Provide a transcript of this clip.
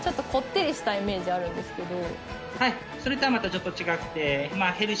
はいそれとはまたちょっと違くて。